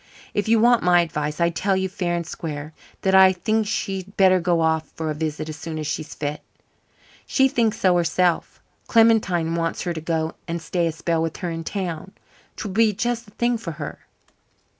If you want my advice, I tell you fair and square that I think she'd better go off for a visit as soon as she's fit. She thinks so herself. Clementine wants her to go and stay a spell with her in town. 'Twould be just the thing for her."